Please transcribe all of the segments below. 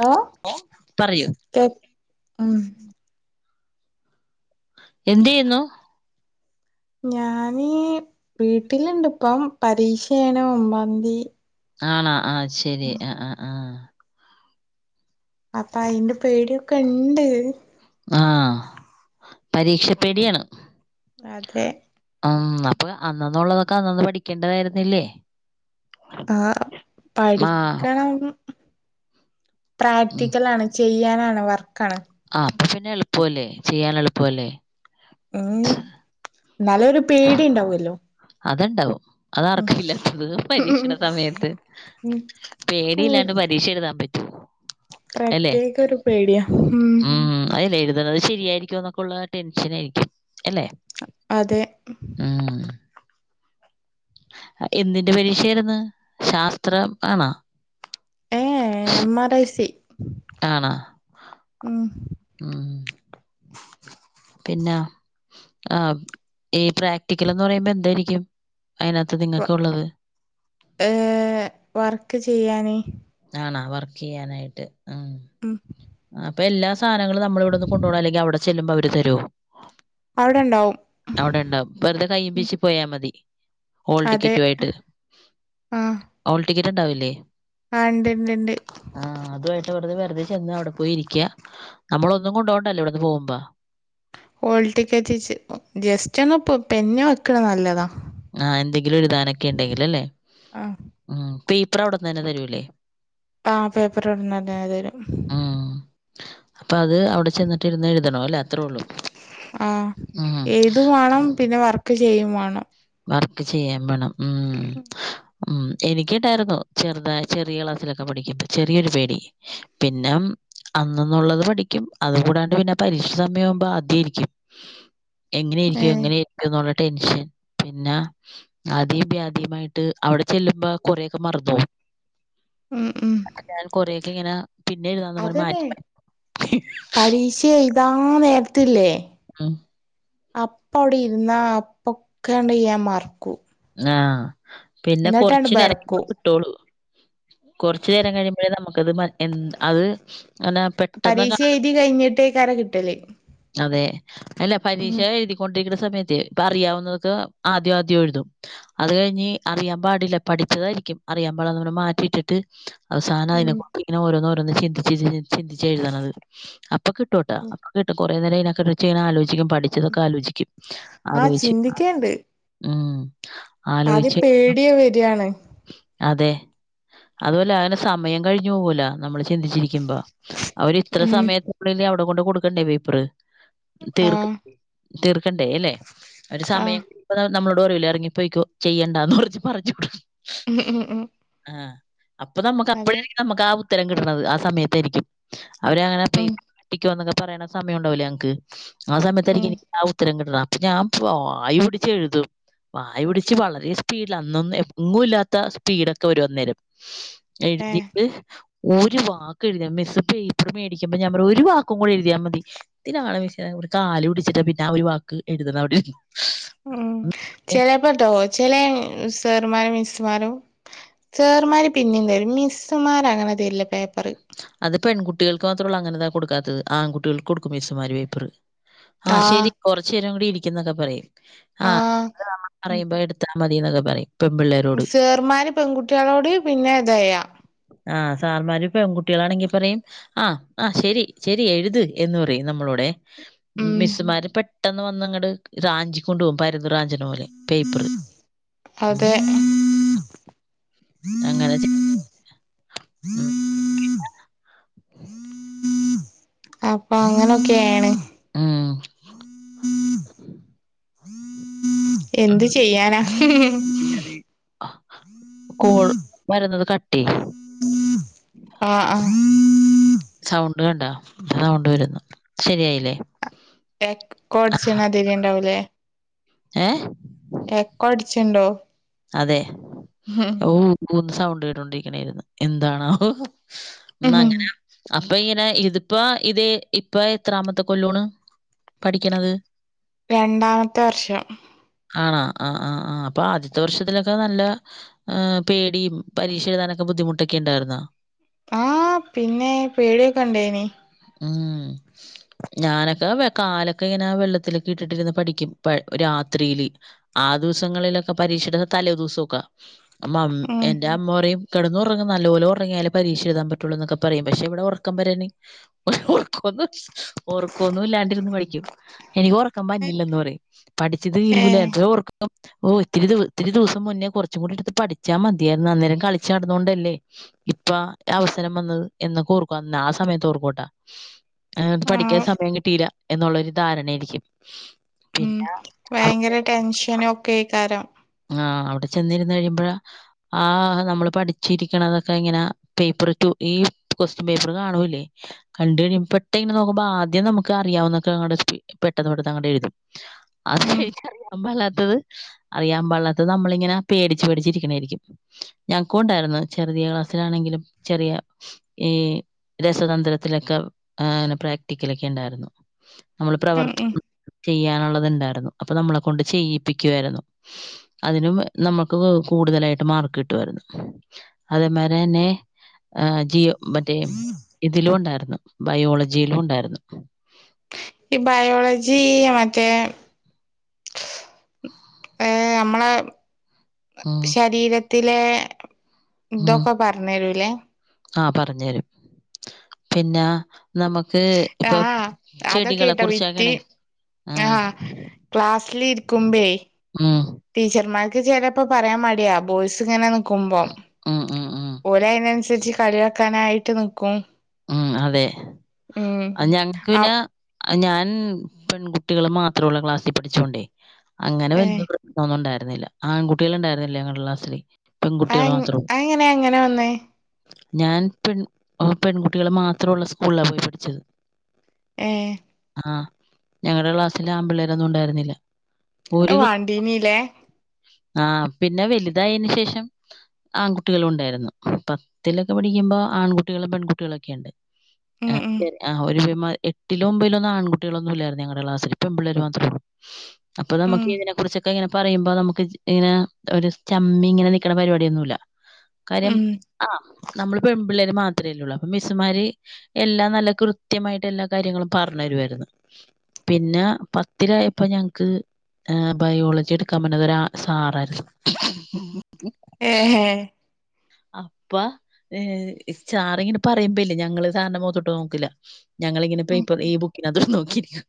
Hello പറയൂ. ഉം എന്ത് ചെയ്യുന്നു? ഞാന് വീട്ടിലുണ്ട് ഇപ്പം പരീക്ഷയാണ് ഒമ്പാന്തി. ആണോ ആഹ് ശരി ആഹ് ആഹ് ആഹ് അപ്പൊ അയിന്റെ പേടിയൊക്കെ ഉണ്ട്. ആഹ് പരീക്ഷ പേടിയാണോ അതെ ഉം അപ്പൊ അന്നന്നുള്ളതൊക്കെ അന്നന്ന് പഠിക്കേണ്ടതായിരുന്നില്ലേ? ആഹ് ആ പഠിക്കണം. ഉം. പ്രാക്ടിക്കലാണ് ചെയ്യാനാണ് വർക്കാണ്. ആഹ് അപ്പ പിന്നെ എളുപ്പമല്ലേ ചെയ്യാൻ എളുപ്പമല്ലേ? ഉം എന്നാലും ഒരുപേടി ഉണ്ടാവല്ലോ? അത് ഉണ്ടാവും. അതാർക്കാ ഇല്ലാത്തത് പരീക്ഷയുടെ സമയത്ത് പേടിയില്ലാണ്ട് പരിക്ഷ എഴുതാൻ പറ്റോ അല്ലെ പ്രത്യേക ഒരു പേടിയാ ഉം അതല്ലേ എഴു ശരിയായിരിക്കോ എന്നൊക്കെ ഉള്ള ടെൻഷൻ ആയിരിക്കും അല്ലെ? അതെ ഉം എന്തിന്റെ പരീക്ഷായിരുന്നു ശാസ്ത്രം ആണോ ഏഹ് എമ്മ റൈ സി ആണോ ഉം ഉം പിന്നെ ആഹ് ഈ പ്രാക്ടിക്കൽ എന്ന് പറയുമ്പോ എന്തായിരിക്കും അതിനകത്ത് നിങ്ങൾക്ക ഉള്ളത് വർക്ക് ചെയ്യൻ ആണാ വർക്ക് ചെയ്യാനായിട്ട് ഉം ഉം അപ്പൊ എല്ലാ സാധനങ്ങളും നമ്മള ഇവിടുന്ന് കൊണ്ടു പോണോ അല്ലെങ്കിൽ അവിടെ ചെല്ലുമ്പോ അവര് തരുമോ അവിടെ ഉണ്ടാവും അവിടെണ്ടാവും വെറുതെ കയ്യും ഉം വീശി പോയാൽ മതി ഹാൾ അതെ ടിക്കറ്റു ആയിട്ട് ആഹ് ഹാൾ ടിക്കറ്റ്ണ്ടാവല്ലേ ആഹ് ഉണ്ട് ഉണ്ട് ഉണ്ട് ആഹ് അതുമായിട്ട് വെറുതെ ചെന്ന് അവിടെ പോയി ഇരിക്കുക നമ്മള ഒന്നും കൊണ്ടുപോകണ്ടല്ല ഇവിടുന്ന് പോകുമ്പോ ഹോൾ ടിക്കറ്റ് ജസ്റ്റ് ഒന്ന പെൻന് വെക്കണ നല്ലതാ ആഹ് എന്തെങ്കിലും എഴുതാനൊക്കെ ഉണ്ടെങ്കിൽ അല്ലെ ആഹ് ഉം പേപ്പർ അവിടന്ന് തന്നെ തരുല്ലേ ആഹ് പേപ്പർ അവിടുന്ന് തന്നെ തരും ഉം അപ്പൊ അത് അവിടെ ചെന്നിട്ട് ഇരുന്ന് എഴുതണം അല്ലേ അത്രേ ഉള്ളൂ ആഹ് ഉം ഏഴുതും വേണം പിന്നെ വർക്ക് ചെയ്യും വേണം വർക്ക് ചെയ്യാം വേണം ഉം ഉം എനിക്കും ഉണ്ടായിരുന്നു ചെറുത ചെറിയ ക്ലാസ്സിലൊക്കെ പഠിക്കുമ്പ ചെറിയൊരു പേടി പിന്ന മ് അന്നന്നുള്ളത് പഠിക്കും അത കൂടാണ്ട് പിന്നെ പരീക്ഷ സമയം ആവുമ്പോ ആദ്യയിരിക്കും എങ്ങനെയിരിക്കും ഏഹ് എങ്ങനെയിരിക്കും ന്നുള്ള ടെൻഷൻ പിന്നെ ആദ്യ യ്പി ആദ്യയമായിട്ട് അവിടെ ചെല്ലുമ്പോ കൊറെക്കെ മർന്നോ വും ഉം ഉം ഞാൻ കൊറെക്കെ ഇങ്ങനെ പിന്നെ എഴുതാന്ന് പറ മാറ്റി മാറ്റി ഷയ്ത താ നേരത്ത്ല്ലേ ആഹ് അപ്പ അവിടെ ഇരുന്നാ അപ്പൊക്കെണ്ട് ഞാ മറ്ക്കൂ ആഹ് പിന്നെ കൊറച്ച് നേരം [inaudible] ബെറക്കും [unintelligible] കൊറ്ച്ച് നേരം കഴിയുമ്പോഴേ നമുക്കത് മ എ അത് ങ്ങനെ പെട്ടെന്ന് പരീക്ഷ എഴുതി കാണുമ്പോ കഴിഞ്ഞിട്ടേക്കാരം കിട്ടല് അതെ അല്ല ഉം പരീക്ഷായിരി കൊണ്ടിരിക്കുന്ന സമയത്ത് ഇപ്പ അറിയാവുന്നതൊക്കെ ആദ്യം ആദ്യം എഴുതും അത് കഴിഞ്ഞ് അറിയാൻ പാടില്ല പഠിച്ചതായിരിക്കും അറിയാ പാടില്ലറ് ഞ്ഞ് മാറ്റി വെച്ചിട്ട് അവസാനം അയിനെ ഉം കൊണ്ട്ങ്ങനെ ഓരോന്ന് ഓരോന്ന് ചിന്തിച്ച് ചിന്തിച്ച് ചിന്തിച്ച് എഴുത്ണത് അപ്പൊ കിട്ടുട്ടൊ അപ്പ കിട്ടു കൊറെ നേരം അയിനെ കുറിച്ച് ങ്ങനെആലോചിക്കും പഠി ച്ചതൊക്കെ ആലോചിക്കും ആഹ് ആലോയിച്ച് ചിന്തിക്കേണ്ട് ഉം ആദ്യം ആലോചിച്ച് പേടി വരാണ് അതെ അതു പോലെ അങ്ങനെ സമയം കഴിഞ്ഞു പോകൂല നമ്മള് ചിന്തിച്ചിരിക്കു മ്പം അവര് ഇത്ര ഉം സമയത്തിനുള്ളില് അവിടെ കൊണ്ട് കൊടുക്കണ്ടേ പേപ്പറ് തീർക്ക ആഹ് തീർക്കണ്ടേ ല്ലെ ഒരു ആഹ് സമയം കയിയുമ്പോ നമ്മളോട് പറയൂലെ ഇറങ്ങി പൊയ്ക്കോ ചെയ്യണ്ടാന്ന് കുറിച്ച് പറഞ്ഞു കൊടു ഉം ഉം ഉം ആഹ് അപ്പൊ നമ്മക്ക് അതെ അപ്പഴായിരിക്കും നമ്മക്ക് ആ ഉത്തരം കിട്ട്ണത് ആ സമയത്തായിരിക്കും അവരങ്ങനെ പൊയ് ഉം പൊയ്ക്കോ ന്നൊക്കെ പറയണ സമയം ഉണ്ടാവില്ലേ നങ്ങ്ക്ക് ആ സമയത്തായിരിക്കു ഉം ഇനി ആ ഉ ഉത്തരം കിട്ണ അപ്പ ഞാൻ ആയി പിടിച്ച് എഴുതും വായ പിടിച്ച് വളരെ സ്പീടിൽ അന്നൊന്നും എങ്ങും ഇല്ലാത്ത സ്പീടൊക്കെ വരും അന്നേരം ഏഹ് എഴുതിട്ട് ഒരു വാക്ക് എഴുതിയ മിസ്സ്‌ പേപ്പറ് മേടിക്കുമ്പം ഞാൻ പറയും ഒരു വാക്കും കൂടി എഴുതിയാ മതി ത്തിനാണ് മിസ്സേ കാല് പിടിച്ചിട്ട് പിന്നെ ആ ഒരു വാക്ക് എഴു ത് ണഅവിടെ ഇരുന്ന് ഉം ചെലെപ്പോട്ടോ ചെലെ സേർമാരും മിസ്സ് മാരും സേർമാര് പിന്നി തരും മിസ്സ്മാര് അങ്ങനെ തരില്ല പേപ്പറ് അത് പെൺകുട്ടികൾക്ക് മാത്രം ഒള്ളു അങ്ങനെ കൊടുക്കാത്തത് ആൺകുട്ടികൾക്ക് കൊടുക്കും മിസ്സ്‌മാര് പേപ്പറ് ആഹ് ശരി കൊറ്ച്ച് നേരം കൂടി ഇരിക്കുന്നൊക്കെ പറയും ആഹ് പറയുമ്പം എടുത്താ മതി ന്നൊക്കെ പറയും പെൺപിള്ളേരോട്. സേർമാര് പെൺകുട്ടികളോട് പിന്നെതായ ആഹ് സാർമാര് പെൺകുട്ടികളാണെങ്കി പറയും ആഹ് ആ ശെരി ശെരി എഴുത് എന്ന് പറയും നമ്മളോട് ഉം മിസ്സ്മാര് പെട്ടെന്ന് വന്നങ്ങ്ട് റഞ്ചിക്കൊണ്ട് പോകും പര്ന്ത്‌ റാഞ്ച്ണ പോലെ പേപ്പറ് മ് അതെ അങ്ങന ചെ [unintelligible] അപ്പ അങ്ങനൊയൊക്കെയെണ് ഉം എന്ത് ചെയ്യാനാ [unintelligible] കോൾ വരുന്നത് കട്ടയ്യ് ആ ആഹ് സൗണ്ട് കണ്ട സൗണ്ട് വരുന്നു ശെരിയായില്ലേ കോൾ ടിച്ച്ണെ [unintelligible] ണ്ടാവുലേ ഏഹ് എക്കോ അടിച്ണ്ടോ അതെ ഊ ഊഹ് ന്ന് സൗണ്ട് കേട്ടൊണ്ടിരിക്കണായിരുന്ന്. എന്താണാവോ മ് അങ്ങനെ അപ്പൊ ഇങ്ങനെ ഇതിപ്പ ഇതെ ഇപ്പ എത്രാമത്തെ കൊല്ലോണ് പഠിക്ക്യ്ണത്? രണ്ടാമത്തെ വർഷം. ആണാ? ആഹ് ആഹ് ആഹ് അപ്പൊ ആദ്യ ത്തെ വർഷത്തിലൊക്കെ നല്ല ഏഹ് പേടിയും പരീക്ഷ എഴുതാനൊക്കെ ബുദ്ധിമുട്ടൊക്കെ ഉണ്ടായിരുന്നൊ? ആഹ് പിന്നേ പേടിയൊക്കെ ഇണ്ടേയ്നി. ഊമ് ഞാനൊക്കെ വെ കാലൊക്കെ ഇങ്ങനെ വെള്ളത്തിലൊക്കെ ഇട്ടിട്ടിരുന്ന് പഠിക്കും പ രാത്രിയില്. ആ ദുവസങ്ങളിലൊക്കെ പരീക്ഷയിടുന്ന തലേ ദിവസൊക്കെ മമ് ഉം എന്റെ അ മ്മ പറയും കെടന്ന് ഉറങ്ങ് നല്ല പോലെ ഉറങ്ങിയാലെ പരീക്ഷ എഴുതാൻ പറ്റുള്ളൂ എന്നൊക്കെ പറയും പക്ഷെ എവിടെ ഉറക്കം വരാന് ഉറക്കൊന്നും ഉറക്കൊ ഒന്നു ഇല്ലാണ്ടിരുന്ന് പഠിക്കും എനിക്ക് ഒറക്കം വരിണില്ലെന്ന് പറയും പഠിച്ചത് ഏ തീരൂല. എവിടെ ഒറക്കം. ഓഹ് ഇ ത്തിരി ഇത്തിരി ദിവസം മുന്നേ കുറച്ചും കൂടി എടുത്ത് പഠിചാ മതിയായിരുന്നു അന്നേരം കളിച്ച് നടന്നോണ്ടല്ലേ ഇപ്പ അവസരം വന്നത് എന്നൊക്കെ ഓർക്കു അന്ന് ആ സമയത്ത് ഓർക്കോട്ടാ. അത്ങ്ങട്ട് പഠിക്കാൻ ആഹ് സമയം കിട്ടിയില്ല എന്നുള്ളൊരു ധാരണയായിരിക്കും മ് പിന്നെ വയങ്കര അവർക്ക് ടെൻഷനൊക്കെകാരം. ങാഹ് അവിടെ ചെന്നിരുന്ന് കഴിയുമ്പഴാ ആഹ് നമ്മള് പഠിച്ചിരിക്കണതൊക്കെ ഇങ്ങനെ പേപ്പർ റ്റു ഈ കൊസ്റ്റ്യൻ പേപ്പറ് കാണൂല്ലേ കണ്ട് കഴിയുമ്പം പെട്ടന്ന്ങ്ങനെ നോക്കുമ്പം ആദ്യം നമുക്ക് അറിയാവുന്നൊക്കെങ്ങട് സ്പീ പെട്ടെന്ന് പെട്ടെന്ന് അങ്ങ്ടെഴുതും. [inaudible] അത് കഴിഞ്ഞ് അറിയാൻ പാടില്ലാത്തത് അറിയാൻ പാടില്ലാത്തത് നമ്മളിങ്ങനെ പേടിച്ച് പേടിച്ച് ഇരിക്കെണേയിരിക്കും ഞങ്ങൾക്കൂണ്ടായിരുന്നു ചെറിയ ക്ലാസ്സിലാണെങ്കിലും ചെറിയ ഈ രസതന്ത്രത്തിലൊക്കെ ഏഹ് ങ്നെ പ്രാക്ടിക്കലൊക്കെ ഉണ്ടായിരുന്നു. നമ്മള് ഉം ഉം പ്രവർത്തം ചെയ്യാനുള്ളത്ണ്ടായിരുന്നു അപ്പൊ നമ്മളെ കൊണ്ട് ചെയ്യിപ്പിക്കുവായിരുന്നു അതിനും നമ്മുക്ക് കൂടുതലായിട്ട് മാർക്ക് കിട്ടുവായിരുന്നു അതേമാരി തന്നെ ഏഹ് ജിയോ മറ്റേ ഇതിലും ഉണ്ടായിരുന്നു ബയോളജിയിലും ഉണ്ടായിരുന്നു ഈ ബയോളജി മറ്റേ ഏഹ് നമ്മളെ ഉം ശരീരത്തിലെ ഉം ഇതൊക്കെ പർഞ്ഞരു ലേ ആഹ് പറഞ്ഞെരും പിന്നെ നമു ക്ക് ഇപ്പം ആഹ് ചെടികളെ അതൊക്കെട്ടോ വിറ്റ് കുറിച്ചാക്കണേ ആഹ് ക്ലാസ്സില് ഇരിക്കുമ്പേ ഊംഹ് ടീച്ചർമാർക്ക് ചിലപ്പോ പറയാൻ മടിയാ ബോയ്സ് ഇങ്ങനെ നിക്കും ഉം ഉം ഉം ഓലയിനൻസരിച്ച് കളിയാക്കാനായിട്ട് നിക്കും ഉം അതെ. ഉം അ ഞങ്ങക്ക് അ പിന്നെ ഞാൻ പെൺകുട്ടികള് മാത്രുള്ള ക്ലാസ്സിൽ പഠിച്ചോണ്ടേ അങ്ങനെ ഏ വല്യ പ്ര ശ്ന ഒന്നും ഉണ്ടായിരുന്നില്ല. ആൺകുട്ടികള് ഉണ്ടായിരുന്നില്ല ഞങ്ങള ക്ലാസില് അ പെൺകുട്ടികൾ മാത്രം. അതെങ്ങനെ അങ്ങനെ വന്നേ ഞാൻ പെൺ ഓഹ് പെൺകുട്ടികള് മാത്രവുള്ള സ്കൂളിലാ പോയി പഠിച്ചത്. ഏഹ് ആഹ് ഞങ്ങടെ ക്ലാസ്സില് ആമ്പിള്ളേരൊന്നും ഉണ്ടായിരുന്നില്ല അത് വാണ്ടീനി ലേ ആഹ് പിന്നെ വലുതായേന് ശേഷം ആൺകുട്ടികളും ഉണ്ടായിരുന്നു പത്തിലൊക്കെ പഠിക്കുമ്പോ ആൺകുട്ടികളും പെൺകുട്ടികളൊക്കെ ഉണ്ട്. ഉം ആഹ് ശരി ആഹ് ഒരു എട്ടിലോ ഒമ്പതിലോന്നും ആൺകുട്ടികളൊന്നും ഇല്ലായിരുന്നു ഞങ്ങളെ ക്ലാസ്സിൽ ഇപ്പൊ പെൺ പിള്ളേർ മാത്രള്ളൂ അപ്പൊ ഉം നമുക്ക് ഇതിനെ കുറിച്ചൊക്കെ ഇങ്ങനെ പറയ്മ്പോ നമുക്ക് ഇങ്ങനെ ഒരു ചമ്മി ഇങ്ങനെ നിൽക്കണ പരിപാടിയൊന്നുമല്ല കാര്യം ഉം ആഹ് നമ്മള് പെൺപിള്ളേര് മാത്രമേല്ലള്ളൂ അപ്പൊ മെസ്സുമാര് എല്ലാം നല്ല കൃത്യമായിട്ട് എല്ലാ കാര്യങ്ങളും പറഞ്ഞു തരുമായിരുന്നു പിന്നെ പത്തിലായപ്പോ ഞങ്ങക്ക് ബയോളജി എടുക്കാൻ പറഞ്ഞത് സാറ ഏഹ അപ്പ സാറി ഇങ്ങനെ പറയുമ്പല്ലേ ഞങ്ങള്ൾ സാറിന്റെ മുത്തോട്ട് നോക്കില്ല ഞങ്ങൾങ്ങനെപ്പ ഈ ബുക്കിന അതോട് നോക്കിയിരിക്കും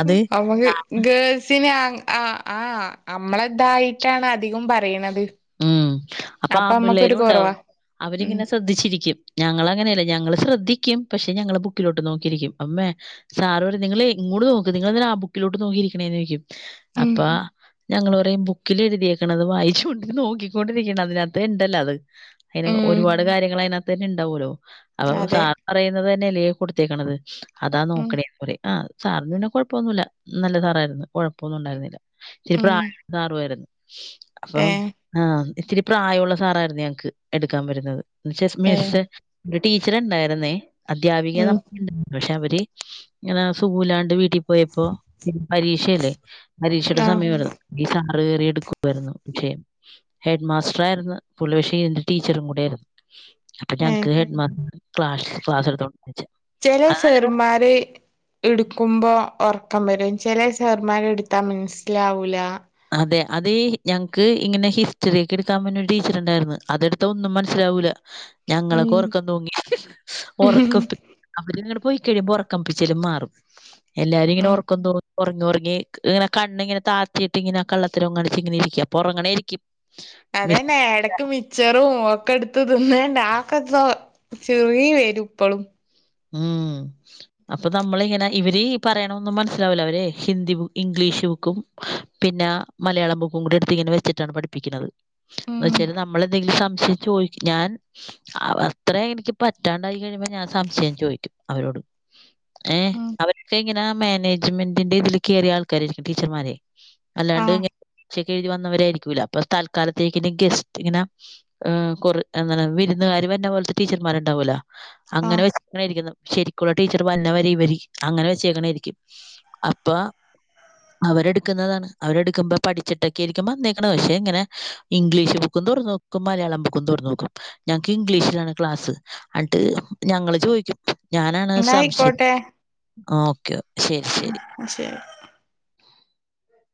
അത് ക്ക് സാറിന് ഗേൾസി നെ ആ ആ് നമ്മളതായിട്ടാണ് അധികം പറയണത് ഉം. അപ്പൊ അപ്പ ഞമ്മക്ക് ഒരു ആമ്പിള്ളേരും കുറവാ ഉണ്ടാവും. ഉം അവരിങ്ങനെ ശ്രദ്ധിച്ചിരിക്കും ഞങ്ങൾ അങ്ങനെയല്ല ഞങ്ങൾ ശ്രദ്ധിക്കും പക്ഷെ ഞങ്ങള് ബുക്കിലോട്ട് നോക്കിയിരിക്കും അമ്മേ സാറ് നിങ്ങള് ഇങ്ങോട് നോക്ക് നിങ്ങളെന്തിനാ ബുക്കിലോട്ട് നോക്കിയിരിക്കണേന്ന് ചോയിക്കും ഉം അപ്പ ഞങ്ങള്പറയും ബുക്കിൽ എഴുതിയേക്കണത് വായിച്ചുണ്ട് നോക്കിക്കൊണ്ടിരിക്കണ അതിനകത്ത് ഇണ്ടല്ലോ അത് അതിന് ഉം ഒരുപാട് കാര്യങ്ങൾ അതിനകത്ത് തന്നെ ഇണ്ടാവലോ അപ്പൊ അതെ സാർ പറയുന്നത് തന്നെയ അല്ലേ കൊടുത്തേക്കണത് അതാ ഉം നോക്കണേ പറയും ആ സാറ് പിന്നെ കൊഴപ്പൊന്നുമല്ല നല്ല സാറായിരുന്നു കൊഴപ്പമൊന്നും ഉണ്ടായിരുന്നില്ല ഉം ഇച്ചിരിപ്രായആയ സാറുയിരുന്നു അപ്പൊ ഏ ആഹ ഇത്തിരി പ്രായമുള്ള സാറായിരുന്നു ഞങ്ങക്ക് എടുക്കാൻ വരുന്നത് എന്ന് വച്ചാ ഏ മിസ്സ്‌ ഒരു ടീച്ചർണ്ടായിരുന്നേ അധ്യാപിക ഉം നമുക്കണ്ടായി പക്ഷെ അവര്ങ്ങ സുഖൂലാണ്ട് വീട്ട ട്ടി പോയപ്പോ പരീക്ഷല്ലേ പരീക്ഷയുടെ ആ സമയമായിരുന്നു ഈ സാറ് കയറി എടുക്കുവായിരുന്നു വിഷയം ഹെഡ് മാസ്റ്റർായിയിരുന്നു പുള്ളി പക്ഷേ ഇന്റെ ടീച്ചറും കൂടെ ആയിരുന്നു അപ്പൊ ഏ ഞങ്ങക്ക് ഹെഡ് മാസ്റ്റർ ക്ലാ ക്ലാസ് എടുത്തണ്ട ആരെ ഇടുക്കുമ്പോൾ ഉറക്കം വരും ചില സാർമാർ എടുത്താൽ മനസ്സിലാവൂല അതെ അത് ഞങ്ങക്ക് ഇങ്ങനെ ഹിസ്റ്ററിയൊക്കെ എടുക്കാൻ വരുന്ന ഒരു ടീച്ചർണ്ടായിരുന്നു അതെടുത്ത ഒന്നും മനസ്സിലാവൂല്ല [unintelligible] ഞങ്ങളൊക്കെ ഉറക്കം തൂങ്ങി ഉറക്ക അവിരി ഇങ്ങടെ പോയി കഴിയുമ്പോൾ ഉറക്കം പിച്ചലും മാറും എല്ലാരും ഇങ്ങനെ ഉം ഉറക്കംതൂങ്ങും ഉറങ്ങി ഉറങ്ങി ഇങ്ങനെ കണ്ണിങ്ങനെ താത്തിട്ട് ഇങ്ങനെ കള്ളത്തരം കാണിച്ച ഇങ്ങനെ ഇരിക്കും അപ്പൊ ഉറങ്ങാണരിക്കും അതെന്നെ ഇടക്ക് മിച്ചറും ഒക്കെ എടുത്ത് തിന് നാക്കെന്തോ ചിറി വേരും ഇപ്പളും ഉം അപ്പൊ നമ്മളിങ്ങനെ ഇവരീ പറയണൊന്നും മനസ്സിലാവില അവരെ ഹിന്ദി ഇംഗ്ലീഷ് ബുക്കും പിന്നെ മലയാളം ബുക്കും കൂടി എടുത്ത് ഇങ്ങനെ വെച്ചിട്ടാണ് പഠിപ്പിക്കുന്നത് എന്ന ഉം വെച്ചാല് നമ്മള എന്തെങ്കിലും സംശയിച്ചു ചോതിക്കു ഞാൻ അത്ര എനിക്ക് പറ്റാണ്ടായി കഴിയുമ്പോ ഞാൻ സംശയം ചോദിക്കും ചോദിക്കും അവരോടും ഏ ഉം അവരൊക്ക ഇങ്ങെനെ മാനേജ്മെന്റിന്റെ ഇതിൽ കയറിയ ആൾക്കാരരിക്കും ടീച്ചർമാരെ അല്ലാണ്ട് ആഹ് പരീക്ഷ എഴുതി വന്നവരായിരിക്കൂല്ല അപ്പൊ തൽക്കാലത്തേക്ക ഗസ്റ്റ് ഇങ്ങനെ കുറ അങ്ങനെ വിരുന്നുകാര് വന്ന പോലത്തെ ടീച്ചർമാർണ്ടാവൂല അങ്ങനെ ആഹ് വ അരിക്ക ശരിക്കുള്ള ടീച്ചർ പറഞ്ഞ വരെ ഇവ അങ്ങനെ വെച്ചേക്കണ ആയിരിക്കും അപ്പൊ അവരെടുക്കുന്നതാണ് അവരെടുക്കുമ്പോ പഠിച്ചിട്ടൊക്കെയിരിക്കുമ്പോ വന്നേക്കുന്നത് പക്ഷെ ഇങ്ങനെ ഇംഗ്ലീഷ് ബുക്കുംന്ന് തുറന്ന് നോക്കും മലയാളംബുക്കും തുറന്നു നോക്കും ഞങ്ങക്ക് ഇംഗ്ലീഷിലാണ് ക്ലാസ് എന്നി് ഞങ്ങള് ചോദിക്ക ഞാനാണ് സംശയം എന്നായിക്കോട്ടെ ഓക്കെ ശരി ശരി. ഉം ശരി